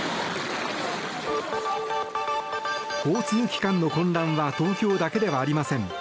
交通機関の混乱は東京だけではありません。